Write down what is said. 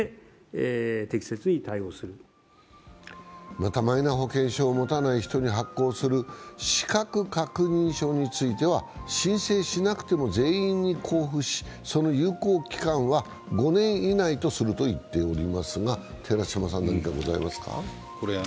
また、マイナ保険証を持たない人に発行する資格確認書については申請しなくても全員に交付しその有効期間は５年以内とするといっておりますが何かございますか？